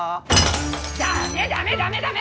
ダメダメダメダメ！